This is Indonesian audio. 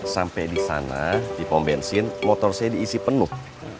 sampai di sana di pom bensin motor saya diisi penuh